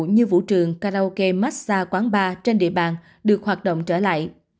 như vũ trường karaoke massage quán bar trên địa bàn được hoạt động trở lại